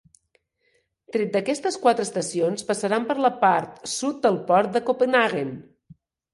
Tres d'aquestes quatre estacions passaran per la part sud del port de Copenhaguen.